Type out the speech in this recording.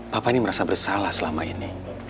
papa ini merasa bersalah selama ini